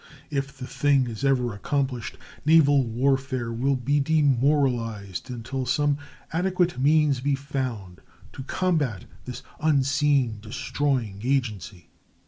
If the thing is ever accomplished, naval warfare will be demoralized until some adequate means be found to combat this unseen, destroying agency.